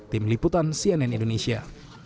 tim liputan cnn indonesia